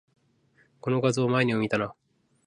この画像、前にも見たな